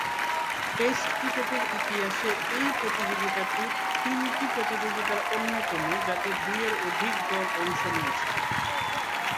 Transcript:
Test ক্রিকেটের ইতিহাসে এ প্রতিযোগিতাটি তিনটি প্রতিযোগিতার অন্যতম যাতে দুইয়ের অধিক দল অংশ নিয়েছে।